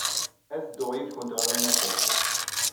Ad dduɣ yid-went ɣer unafag.